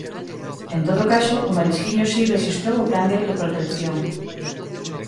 En todo caso, o Marisquiño si rexistrou o plan de autoprotección.